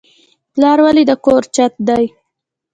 پلار ولې د کور چت دی؟